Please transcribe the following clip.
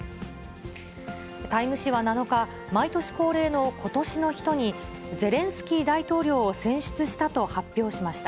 タイム誌は７日、毎年恒例の今年の人に、ゼレンスキー大統領を選出したと発表しました。